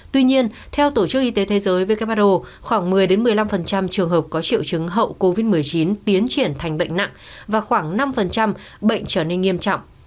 tuy nhiên theo tổ chức y tế thế giới who khoảng một mươi một mươi năm trường hợp có triệu chứng hậu covid một mươi chín tiến triển thành bệnh nặng và khoảng năm bệnh trở nên nghiêm trọng